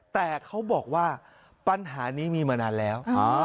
แต่เขาบอกว่าปัญหานี้มีมานานแล้ว